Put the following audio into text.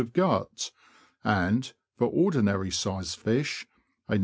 of gut, and — for ordinary sized fish — a No.